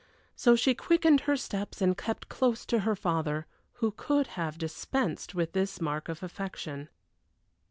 So she quickened her steps and kept close to her father, who could have dispensed with this mark of affection.